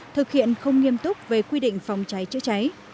thực hiện không nghiêm túc về quy định phòng cháy chữa cháy